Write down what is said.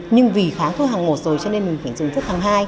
nhưng vì kháng thuốc hàng một rồi nên mình phải dùng thuốc hàng hai